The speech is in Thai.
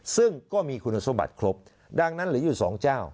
ซึ่งก็มีคุณสมบัติครบดังนั้นเหลืออยู่สองเจ้า